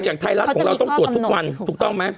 ไทยรัฐของเราต้องตรวจทุกวันถูกต้องไหม